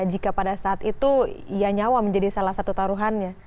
jika pada saat itu ya nyawa menjadi salah satu taruhannya